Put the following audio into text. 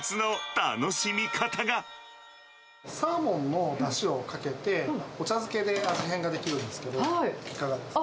サーモンのだしをかけて、お茶漬けで味変ができるんですけど、いかがですか。